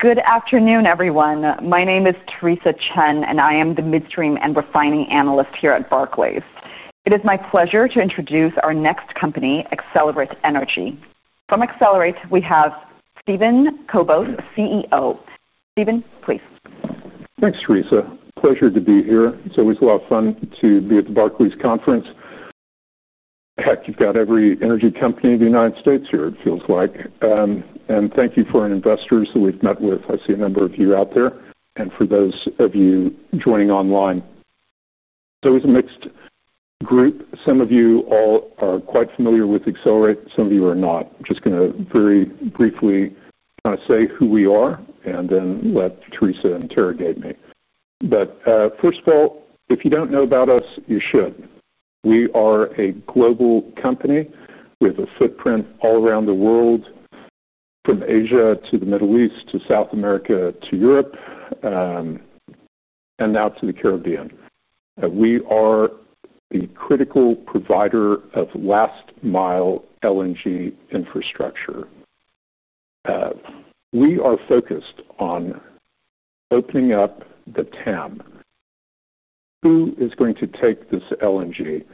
Good afternoon, everyone. My name is Theresa Chen, and I am the Midstream and Refining Analyst here at Barclays. It is my pleasure to introduce our next company, Excelerate Energy. From Excelerate, we have Steven Kobos, CEO. Steven, please. Thanks, Theresa. Pleasure to be here. It's always a lot of fun to be at the Barclays conference. Heck, you've got every energy company in the United States here, it feels like. Thank you for an investor that we've met with. I see a number of you out there, and for those of you joining online. It's a mixed group. Some of you all are quite familiar with Excelerate, some of you are not. I'm just going to very briefly say who we are and then let Theresa interrogate me. First of all, if you don't know about us, you should. We are a global company with a footprint all around the world, from Asia to the Middle East to South America to Europe and now to the Caribbean. We are a critical provider of last-mile LNG infrastructure. We are focused on opening up the TAM. Who is going to take this LNG?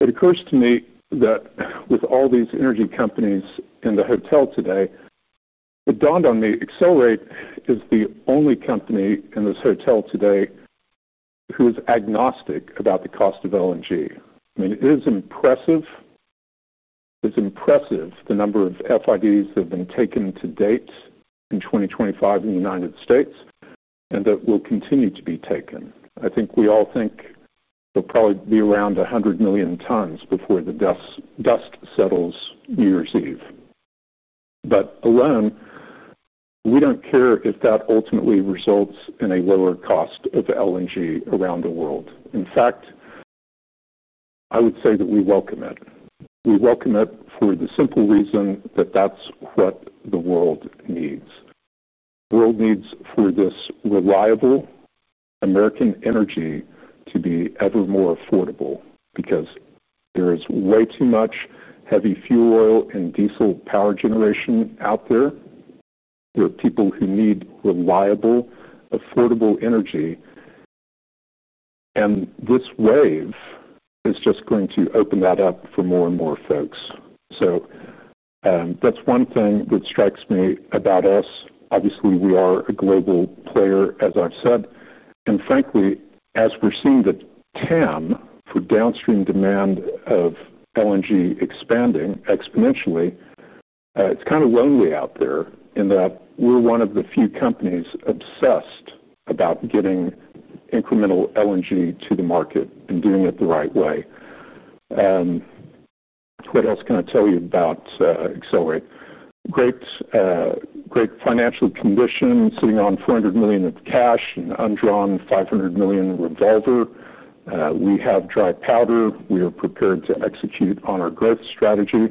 It occurs to me that with all these energy companies in the hotel today, it dawned on me Excelerate is the only company in this hotel today who is agnostic about the cost of LNG. I mean, it is impressive. It's impressive the number of FIDs that have been taken to date in 2025 in the United States, and that will continue to be taken. I think we all think there'll probably be around 100 million tons before the dust settles New Year's Eve. Alone, we don't care if that ultimately results in a lower cost of LNG around the world. In fact, I would say that we welcome it. We welcome it for the simple reason that that's what the world needs. The world needs for this reliable American energy to be ever more affordable because there is way too much heavy fuel oil and diesel power generation out there. There are people who need reliable, affordable energy. This wave is just going to open that up for more and more folks. That's one thing that strikes me about us. Obviously, we are a global player, as I've said. Frankly, as we're seeing the TAM, the downstream demand of LNG expanding exponentially, it's kind of lonely out there in that we're one of the few companies obsessed about getting incremental LNG to the market and doing it the right way. What else can I tell you about Excelerate? Great, great financial condition, sitting on $400 million of cash and undrawn $500 million revolver. We have dry powder. We are prepared to execute on our growth strategy.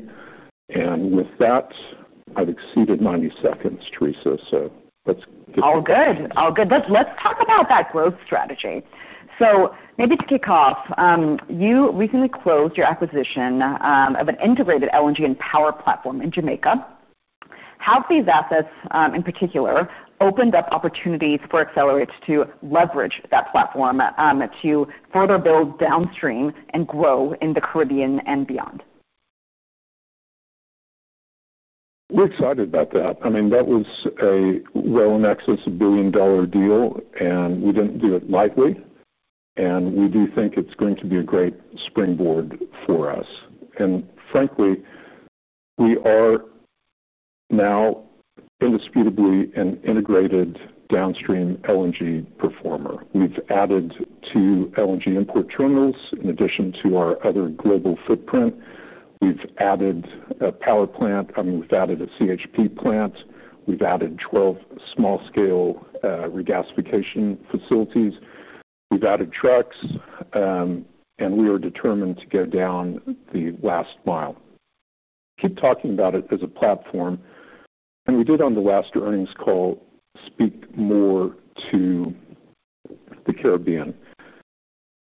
With that, I've exceeded 90 seconds, Theresa. Let's get to it. All good. All good. Let's talk about that growth strategy. To kick off, you recently closed your acquisition of an integrated LNG and power platform in Jamaica. How have these assets, in particular, opened up opportunities for Excelerate to leverage that platform to further build downstream and grow in the Caribbean and beyond? We're excited about that. I mean, that was a well-necessitated billion-dollar deal, and we didn't do it lightweight. We do think it's going to be a great springboard for us. Frankly, we are now indisputably an integrated downstream LNG performer. We've added two LNG import terminals in addition to our other global footprint. We've added a power plant. I mean, we've added a CHP plant. We've added 12 small-scale regasification facilities. We've added trucks, and we are determined to go down the last mile. We keep talking about it as a platform. We did on the last earnings call speak more to the Caribbean.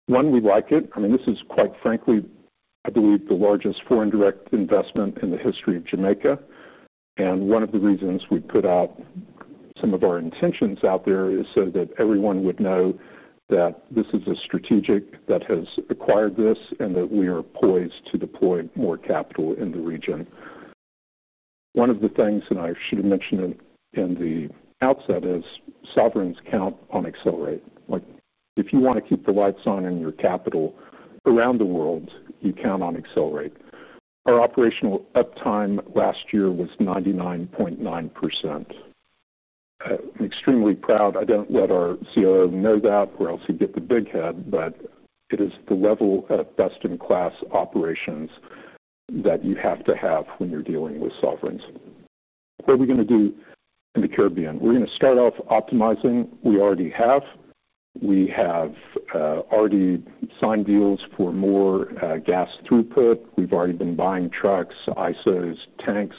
One, we like it. I mean, this is quite frankly, I believe, the largest foreign direct investment in the history of Jamaica. One of the reasons we put out some of our intentions out there is so that everyone would know that this is a strategic that has acquired this and that we are poised to deploy more capital in the region. One of the things that I should have mentioned in the outset is sovereigns count on Excelerate. If you want to keep the lights on in your capital around the world, you count on Excelerate. Our operational uptime last year was 99.9%. I'm extremely proud. I don't let our COO know that or else he'd get the big head, but it is the level of best-in-class operations that you have to have when you're dealing with sovereigns. What are we going to do in the Caribbean? We're going to start off optimizing. We already have. We have already signed deals for more gas throughput. We've already been buying trucks, ISOs, tanks.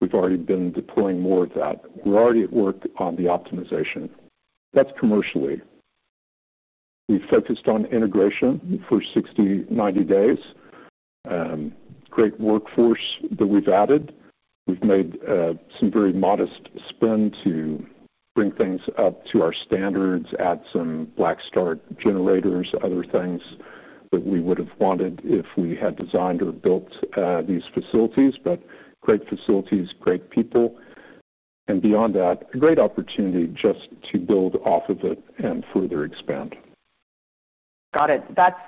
We've already been deploying more of that. We're already at work on the optimization. That's commercially. We've focused on integration for 60, 90 days. Great workforce that we've added. We've made some very modest spend to bring things up to our standards, add some black start generators, other things that we would have wanted if we had designed or built these facilities. Great facilities, great people. Beyond that, a great opportunity just to build off of it and further expand. Got it. That's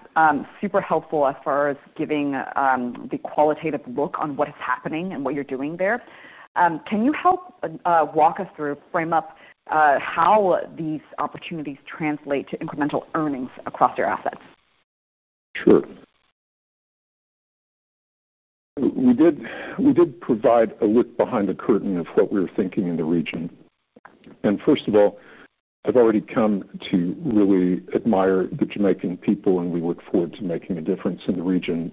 super helpful as far as giving the qualitative look on what is happening and what you're doing there. Can you help walk us through, frame up how these opportunities translate to incremental earnings across their assets? Sure. We did provide a look behind the curtain of what we were thinking in the region. First of all, I've already come to really admire the Jamaican people, and we look forward to making a difference in the region.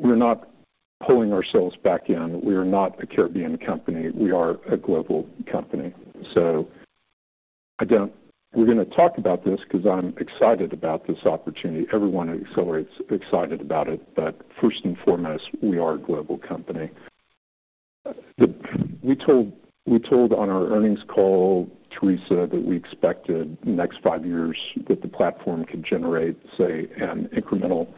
We're not pulling ourselves back in. We are not a Caribbean company. We are a global company. I don't, we're going to talk about this because I'm excited about this opportunity. Everyone at Excelerate is excited about it. First and foremost, we are a global company. We told on our earnings call, Theresa, that we expected in the next five years that the platform could generate, say, an incremental,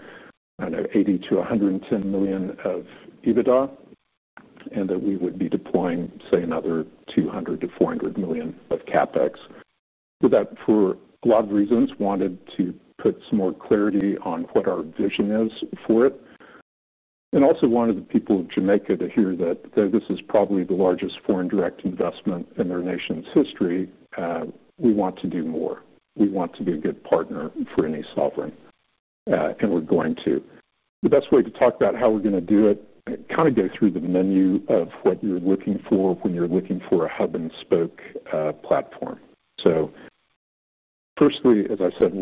I don't know, $80 million - $110 million of EBITDA, and that we would be deploying, say, another $200 million - $400 million of CapEx. Did that for a lot of reasons, wanted to put some more clarity on what our vision is for it. Also wanted the people of Jamaica to hear that though this is probably the largest foreign direct investment in their nation's history, we want to do more. We want to be a good partner for any sovereign, and we're going to. The best way to talk about how we're going to do it, kind of go through the menu of what you're looking for when you're looking for a hub and spoke platform. Firstly, as I said,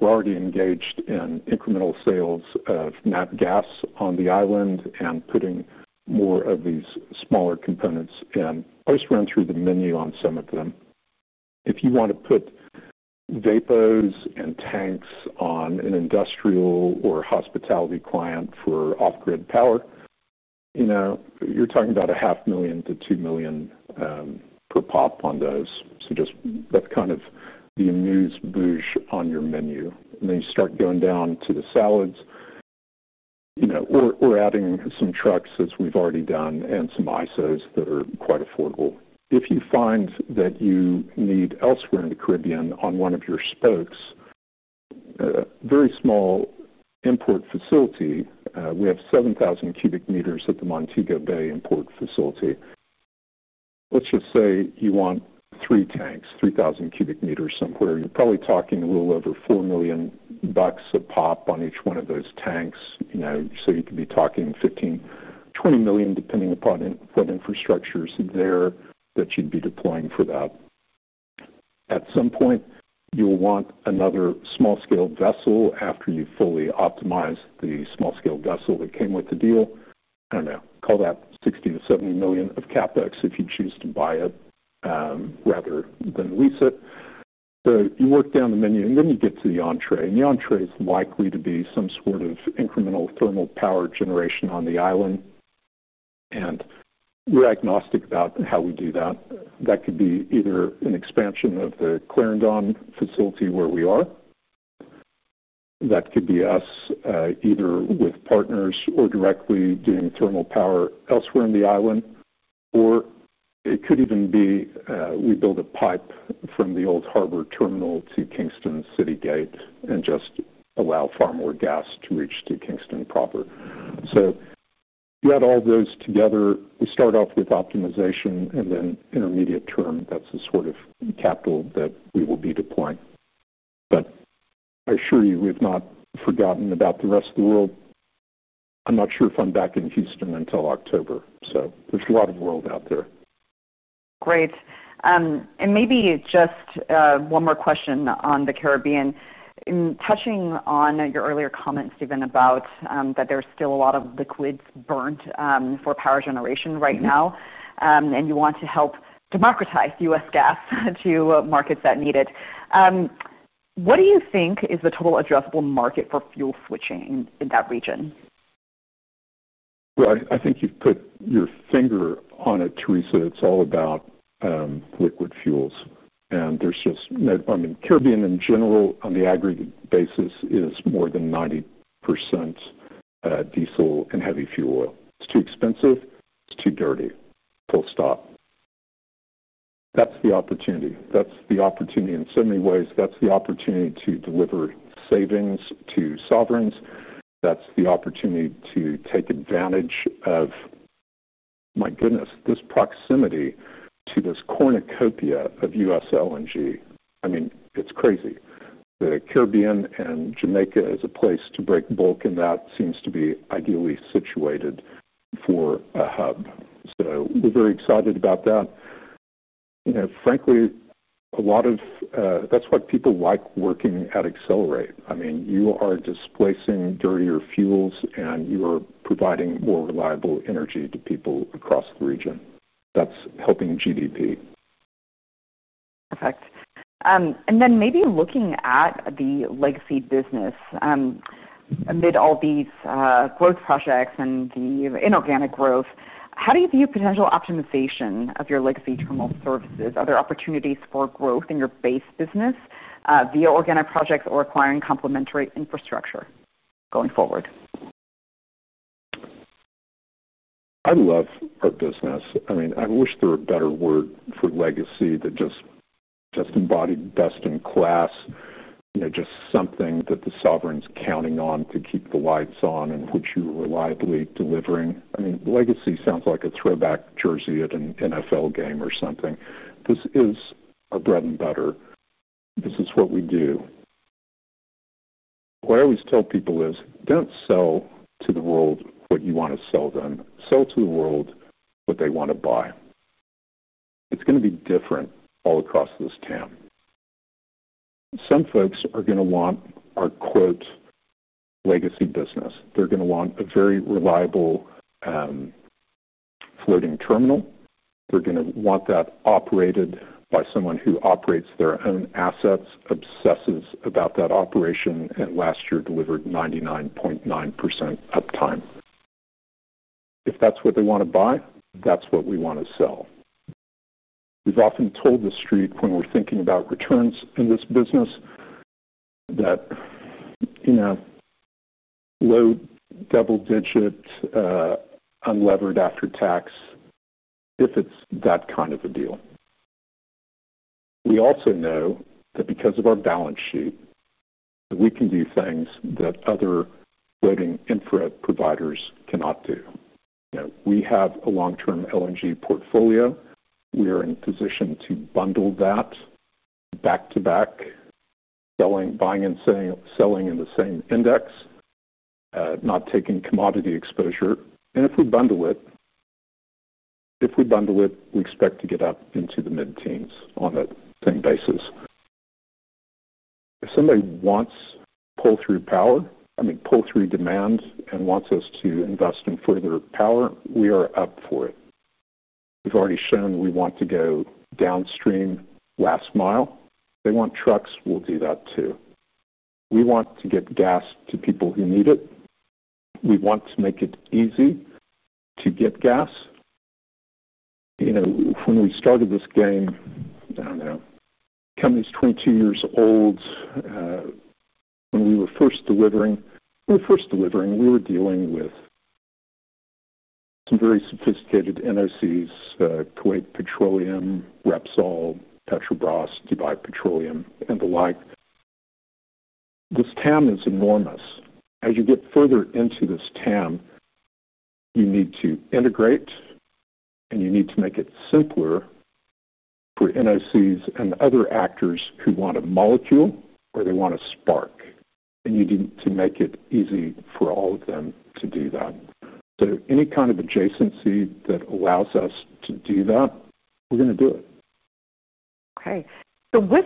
we're already engaged in incremental sales of natural gas on the island and putting more of these smaller components in. I'll just run through the menu on some of them. If you want to put vapors and tanks on an industrial or hospitality client for off-grid power, you know, you're talking about $0.5 million - $2 million per pop on those. That's kind of the amuse-bouche on your menu. Then you start going down to the salads. We're adding some trucks, as we've already done, and some ISOs that are quite affordable. If you find that you need elsewhere in the Caribbean on one of your spokes, a very small import facility, we have 7,000 cubic meters at the Montego Bay import facility. Let's just say you want three tanks, 3,000 cubic meters, somewhere. You're probably talking a little over $4 million a pop on each one of those tanks. You could be talking $15 million, $20 million, depending upon what infrastructure is there that you'd be deploying for that. At some point, you'll want another small-scale vessel after you fully optimize the small-scale vessel that came with the deal. I don't know, call that $60 million - $70 million of CapEx if you choose to buy it, rather than lease it. You work down the menu, and then you get to the entrée. The entrée is likely to be some sort of incremental thermal power generation on the island. We're agnostic about how we do that. That could be either an expansion of the Clarendon facility where we are. That could be us, either with partners or directly doing thermal power elsewhere on the island. It could even be we build a pipe from the Old Harbor terminal to Kingston City Gate and just allow far more gas to reach to Kingston proper. That all goes together. We start off with optimization, and then intermediate term, that's the sort of capital that we will be deploying. I assure you, we've not forgotten about the rest of the world. I'm not sure if I'm back in Houston until October. There's a lot of world out there. Great. Maybe just one more question on the Caribbean. Touching on your earlier comments, Steven, about that there's still a lot of liquids burned for power generation right now, and you want to help democratize U.S. gas to markets that need it. What do you think is the total addressable market for fuel switching in that region? I think you've put your finger on it, Theresa. It's all about liquid fuels. The Caribbean in general, on the aggregate basis, is more than 90% diesel and heavy fuel oil. It's too expensive. It's too dirty. Full stop. That's the opportunity. That's the opportunity in so many ways. That's the opportunity to deliver savings to sovereigns. That's the opportunity to take advantage of, my goodness, this proximity to this cornucopia of U.S. LNG. It's crazy. The Caribbean and Jamaica is a place to break bulk, and that seems to be ideally situated for a hub. We're very excited about that. Frankly, a lot of that's why people like working at Excelerate. You are displacing dirtier fuels, and you are providing more reliable energy to people across the region. That's helping GDP. Perfect. Maybe looking at the legacy business, amid all these growth projects and the inorganic growth, how do you view potential optimization of your legacy terminal services? Are there opportunities for growth in your base business via organic projects or acquiring complementary infrastructure going forward? I love our business. I wish there were a better word for legacy than just best embodied best-in-class. Just something that the sovereign's counting on to keep the lights on and which you're reliably delivering. Legacy sounds like a throwback jersey at an NFL game or something. This is our bread and butter. This is what we do. What I always tell people is, don't sell to the world what you want to sell them. Sell to the world what they want to buy. It's going to be different all across this TAM. Some folks are going to want our, quote, legacy business. They're going to want a very reliable floating terminal. They're going to want that operated by someone who operates their own assets, obsesses about that operation, and last year delivered 99.9% uptime. If that's what they want to buy, that's what we want to sell. We've often told the street when we're thinking about returns in this business that low double digit unlevered after tax if it's that kind of a deal. We also know that because of our balance sheet, we can do things that other floating infra providers cannot do. We have a long-term LNG portfolio. We are in a position to bundle that back to back, selling, buying, and selling in the same index, not taking commodity exposure. If we bundle it, we expect to get up into the mid-teens on that same basis. If somebody wants pull-through power, pull-through demand and wants us to invest in further power, we are up for it. We've already shown we want to go downstream last mile. They want trucks, we'll do that too. We want to get gas to people who need it. We want to make it easy to get gas. When we started this game, the company's 22 years old. When we were first delivering, we were dealing with some very sophisticated NOCs, Kuwait Petroleum, Repsol, Petrobras, Dubai Petroleum, and the like. This TAM is enormous. As you get further into this TAM, you need to integrate, and you need to make it simpler for NOCs and other actors who want a molecule or they want a spark. You need to make it easy for all of them to do that. Any kind of adjacency that allows us to do that, we're going to do it. With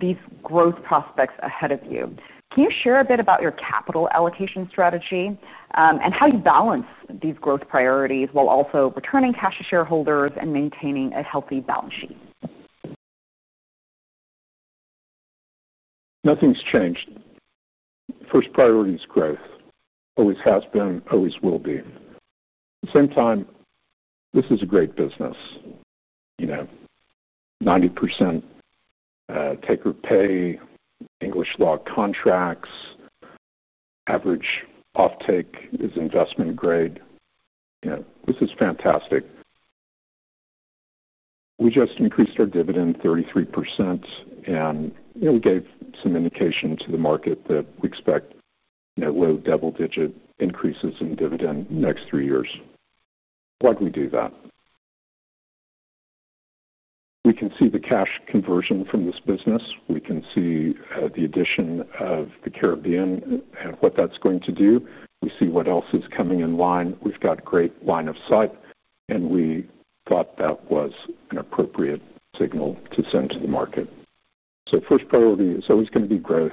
these growth prospects ahead of you, can you share a bit about your capital allocation strategy and how you balance these growth priorities while also returning cash to shareholders and maintaining a healthy balance sheet? Nothing's changed. First priority is growth. Always has been, always will be. At the same time, this is a great business. You know, 90% taker pay, English law contracts, average offtake is investment grade. You know, this is fantastic. We just increased our dividend 33%, and you know, we gave some indication to the market that we expect, you know, low double digit increases in dividend in the next three years. Why do we do that? We can see the cash conversion from this business. We can see the addition of the Caribbean and what that's going to do. We see what else is coming in line. We've got a great line of sight, and we thought that was an appropriate signal to send to the market. First priority is always going to be growth.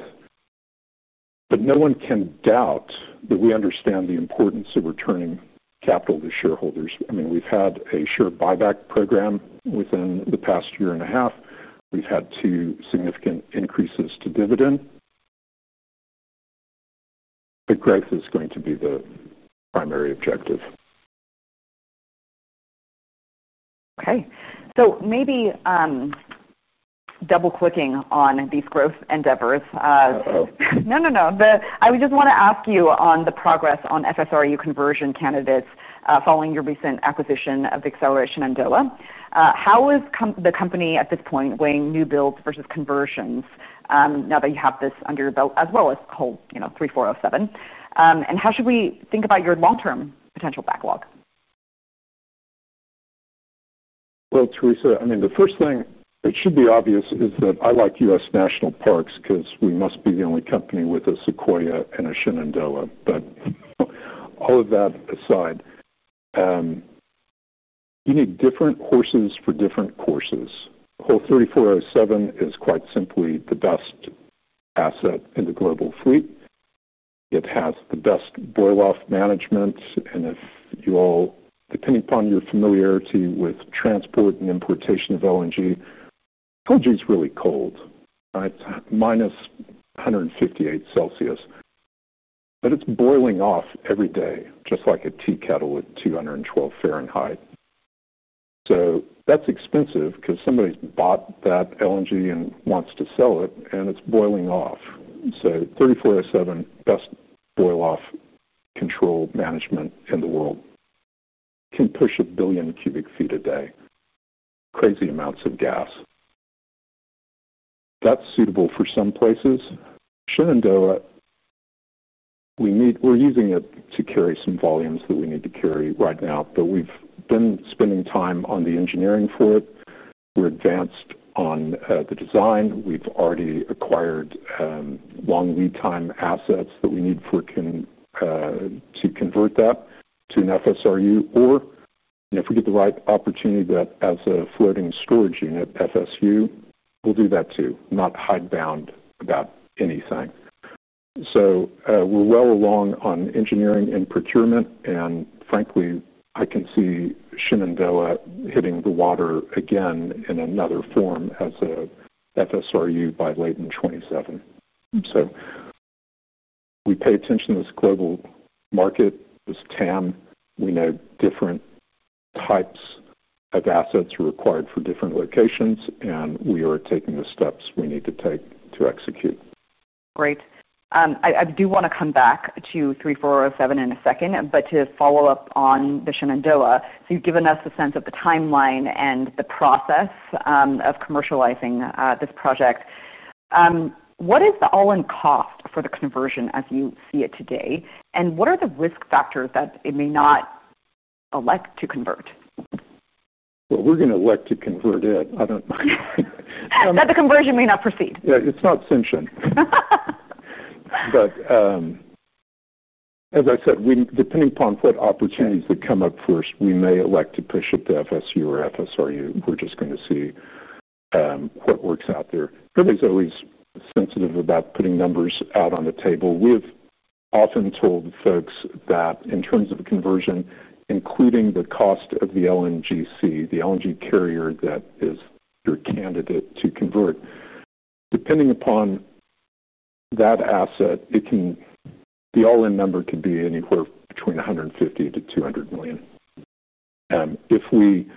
No one can doubt that we understand the importance of returning capital to shareholders. I mean, we've had a share buyback program within the past year and a half. We've had two significant increases to dividend. Growth is going to be the primary objective. Okay. Maybe double-clicking on these growth endeavors, I just want to ask you on the progress on FSRU conversion candidates following your recent acquisition of Acceleration and Dilla. How is the company at this point weighing new builds versus conversions now that you have this under your belt as well as Hull 3407? How should we think about your long-term potential backlog? Theresa, the first thing that should be obvious is that I like U.S. National Parks because we must be the only company with a Sequoia and a Shenandoah. All of that aside, you need different horses for different courses. Hull 3407 is quite simply the best asset in the global fleet. It has the best boil-off management. If you all, depending upon your familiarity with transport and importation of LNG, LNG is really cold. It's - 158 degrees Celsius. It's boiling off every day, just like a tea kettle at 212 degrees Fahrenheit. That's expensive because somebody's bought that LNG and wants to sell it, and it's boiling off. 3407, best boil-off control management in the world, can push a billion cubic feet a day. Crazy amounts of gas. That's suitable for some places. Shenandoah, we're using it to carry some volumes that we need to carry right now, but we've been spending time on the engineering for it. We're advanced on the design. We've already acquired long lead time assets that we need for it to convert that to an FSRU. If we get the right opportunity, that as a floating storage unit, FSU, we'll do that too. Not high bound about anything. We're well along on engineering and procurement. Frankly, I can see Shenandoah hitting the water again in another form as an FSRU by late in 2027. We pay attention to this global market, this TAM. We know different types of assets are required for different locations, and we are taking the steps we need to take to execute. Great. I do want to come back to 3407 in a second, but to follow up on the Shenandoah, you've given us a sense of the timeline and the process of commercializing this project. What is the all-in cost for the conversion as you see it today? What are the risk factors that it may not elect to convert? We're going to elect to convert it. I don't know. That the conversion may not proceed. Yeah, it's not Simpson. As I said, depending upon what opportunities that come up first, we may elect to push it to FSU or FSRU. We're just going to see what works out there. Nobody's always sensitive about putting numbers out on the table. We've often told folks that in terms of a conversion, including the cost of the LNGC, the LNG carrier that is your candidate to convert, depending upon that asset, the all-in number could be anywhere between $150 million - $200 million. If we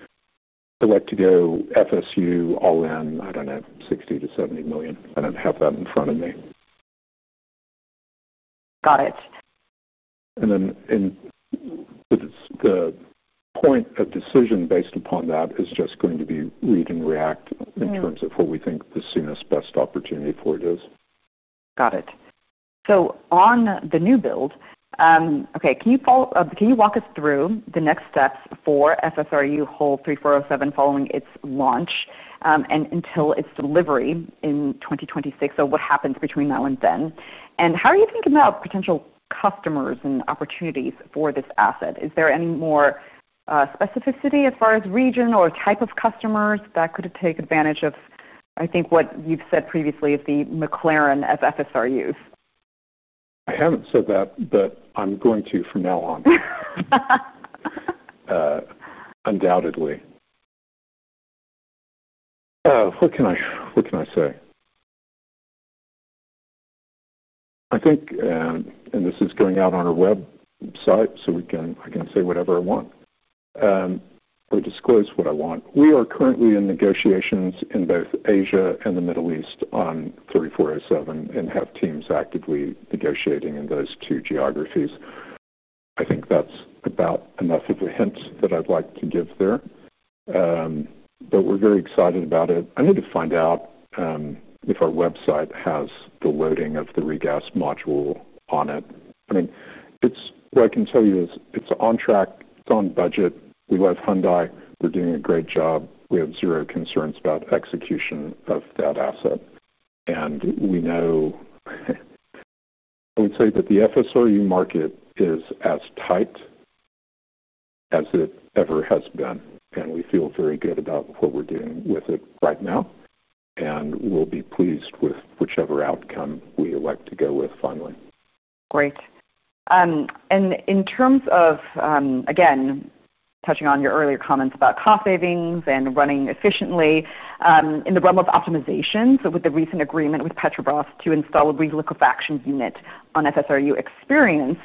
elect to go FSU all-in, I don't know, $60 million - $70 million. I don't have that in front of me. Got it. The point of decision based upon that is just going to be lead and react in terms of what we think the soonest best opportunity for it is. Got it. On the new build, can you walk us through the next steps for FSRU Hull 3407 following its launch and until its delivery in 2026? What happens between now and then? How do you think about potential customers and opportunities for this asset? Is there any more specificity as far as region or type of customers that could take advantage of, I think, what you've said previously, the McLaren of FSRUs? I haven't said that, but I'm going to from now on, undoubtedly. What can I say? I think, and this is going out on our website, so I can say whatever I want or disclose what I want. We are currently in negotiations in both Asia and the Middle East on 3407 and have teams actively negotiating in those two geographies. I think that's about enough of a hint that I'd like to give there. We're very excited about it. I need to find out if our website has the loading of the regasification module on it. What I can tell you is it's on track. It's on budget. We love Hyundai. They're doing a great job. We have zero concerns about execution of that asset. We know, I would say that the FSRU market is as tight as it ever has been. We feel very good about what we're doing with it right now. We'll be pleased with whichever outcome we elect to go with finally. Great. In terms of, again, touching on your earlier comments about cost savings and running efficiently, in the realm of optimization, with the recent agreement with Petrobras to install a regasification unit on FSRU Experience,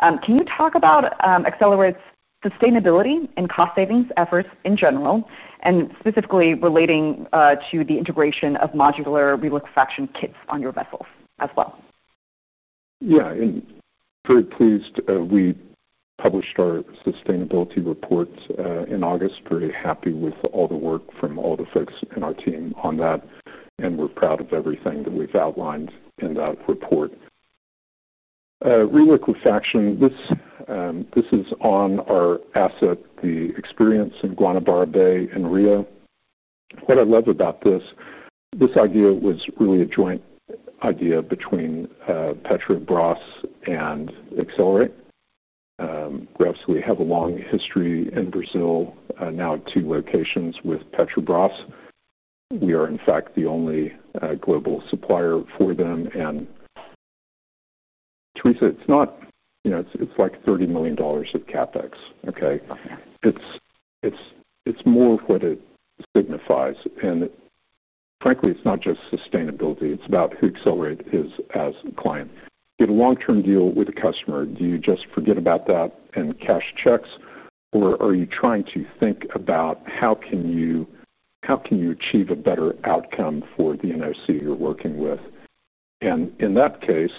can you talk about Excelerate's sustainability and cost savings efforts in general, and specifically relating to the integration of modular regasification kits on your vessels as well? Yeah, I'm very pleased. We published our sustainability report in August. We're very happy with all the work from all the folks in our team on that. We're proud of everything that we've outlined in that report. Relook of faction, this is on our asset, the experience in Guanabara Bay and Rio. What I love about this, this idea was really a joint idea between Petrobras and Excelerate. We have a long history in Brazil, now at two locations with Petrobras. We are, in fact, the only global supplier for them. Theresa, it's not, you know, it's like $30 million of CapEx, okay? It's more of what it signifies. Frankly, it's not just sustainability. It's about who Excelerate is as a client. You get a long-term deal with a customer. Do you just forget about that and cash checks? Are you trying to think about how can you achieve a better outcome for the NOC you're working with? In that case,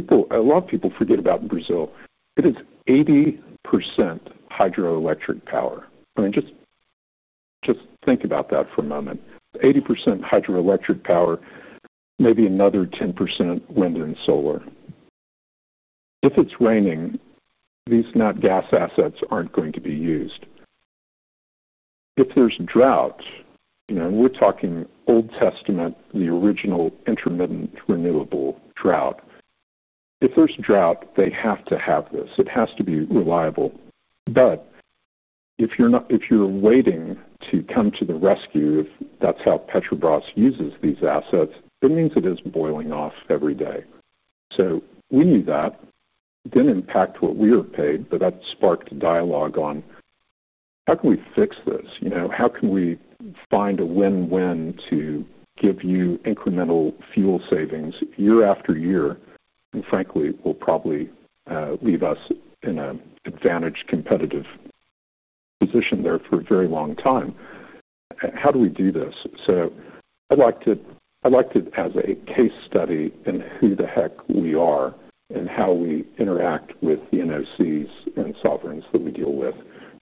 a lot of people forget about Brazil. It is 80% hydroelectric power. Just think about that for a moment. 80% hydroelectric power, maybe another 10% wind and solar. If it's raining, these natural gas assets aren't going to be used. If there's drought, you know, and we're talking Old Testament, the original intermittent renewable drought. If there's drought, they have to have this. It has to be reliable. If you're waiting to come to the rescue, if that's how Petrobras uses these assets, that means it is boiling off every day. We knew that. It didn't impact what we were paid, but that sparked a dialogue on how can we fix this? How can we find a win-win to give you incremental fuel savings year after year? Frankly, it will probably leave us in an advantaged competitive position there for a very long time. How do we do this? I'd like to use this as a case study in who the heck we are and how we interact with the NOCs and sovereigns that we deal with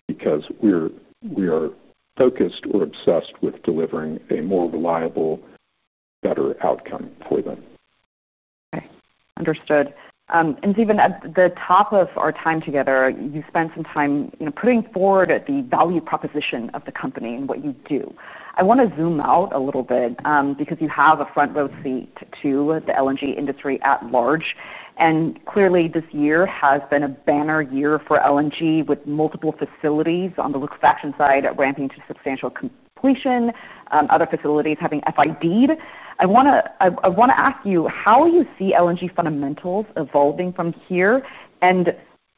because we are focused or obsessed with delivering a more reliable, better outcome for them. Okay. Understood. Steven, at the top of our time together, you spent some time putting forward the value proposition of the company and what you do. I want to zoom out a little bit because you have a front row seat to the LNG industry at large. Clearly, this year has been a banner year for LNG with multiple facilities on the liquefaction side ramping to substantial completion, other facilities having FID'd. I want to ask you how you see LNG fundamentals evolving from here.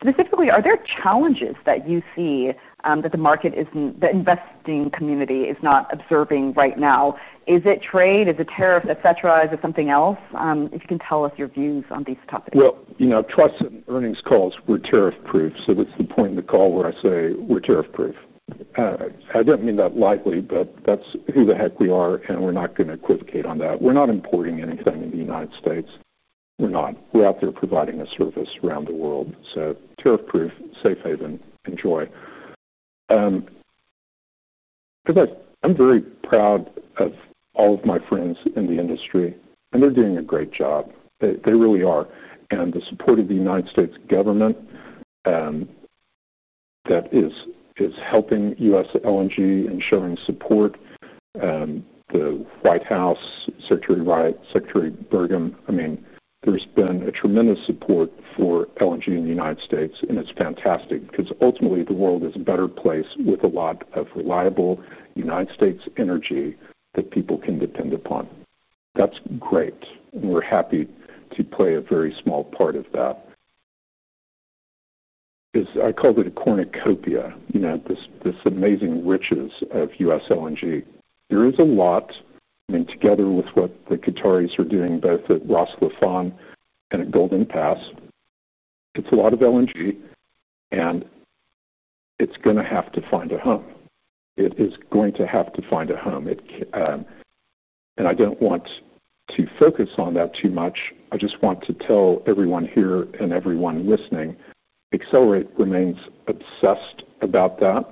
Specifically, are there challenges that you see that the market isn't, the investing community is not observing right now? Is it trade? Is it tariff, etc.? Is it something else? If you can tell us your views on these topics. Trust in earnings calls, we're tariff-proof. What's the point of the call when I say we're tariff-proof? I don't mean that lightly, but that's who the heck we are, and we're not going to equivocate on that. We're not importing anything in the United States. We're not. We're out there providing a service around the world. Tariff-proof, safe haven, enjoy. I'm very proud of all of my friends in the industry, and they're doing a great job. They really are. The support of the United States government that is helping U.S. LNG and showing support, the White House, Secretary White, Secretary Burgum. There has been tremendous support for LNG in the United States, and it's fantastic because ultimately, the world is a better place with a lot of reliable United States energy that people can depend upon. That's great. We're happy to play a very small part of that. I called it a cornucopia, this amazing riches of U.S. LNG. There is a lot. Together with what the Qataris are doing, both at Ras Laffan and at Golden Pass, it's a lot of LNG, and it's going to have to find a home. It is going to have to find a home. I don't want to focus on that too much. I just want to tell everyone here and everyone listening, Excelerate remains obsessed about that.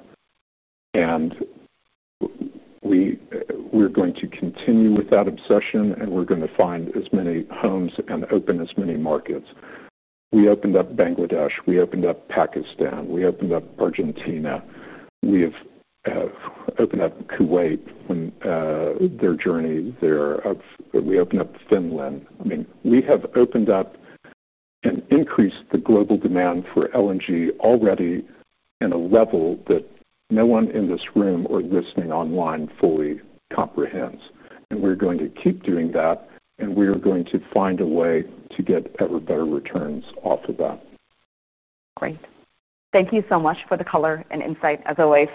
We're going to continue with that obsession, and we're going to find as many homes and open as many markets. We opened up Bangladesh. We opened up Pakistan. We opened up Argentina. We have opened up Kuwait on their journey there. We opened up Finland. We have opened up and increased the global demand for LNG already at a level that no one in this room or listening online fully comprehends. We're going to keep doing that, and we are going to find a way to get ever better returns off of that. Great. Thank you so much for the color and insight as always.